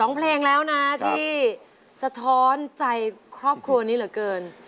เพลงแล้วนะที่สะท้อนใจครอบครัวนี้เหลือเกิน